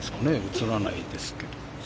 映らないですけど。